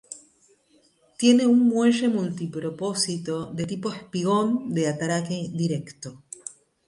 Tiene un muelle multipropósito de tipo espigón de atraque directo.